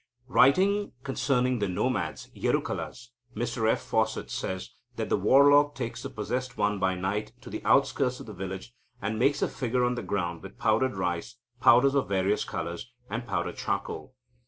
Writing concerning the nomad Yerukalas, Mr F. Fawcett says that "the warlock takes the possessed one by night to the outskirts of the village, and makes a figure on the ground with powdered rice, powders of various colours, and powdered charcoal.